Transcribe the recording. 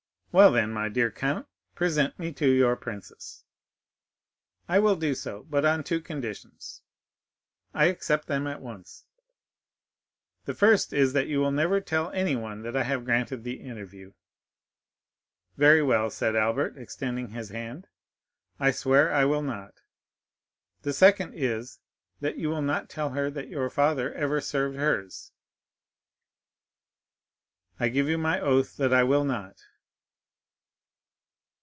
"Well then, my dear count, present me to your princess." "I will do so; but on two conditions." "I accept them at once." "The first is, that you will never tell anyone that I have granted the interview." "Very well," said Albert, extending his hand; "I swear I will not." "The second is, that you will not tell her that your father ever served hers." "I give you my oath that I will not."